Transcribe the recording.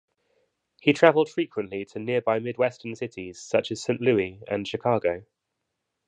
He traveled frequently to nearby mid-western cities such as Saint Louis and Chicago.